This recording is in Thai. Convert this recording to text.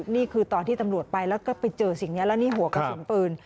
นี่คือตอนที่ตำรวจไปแล้วก็ไปเจอสิ่งนี้แล้วนี่หัวกระสุนปืน